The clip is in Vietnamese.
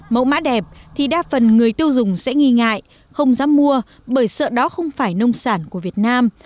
mẫu mã đẹp thì đa phần người tiêu dùng sẽ nghi ngại không dám mua bởi sợ đó không phải nông sản của việt nam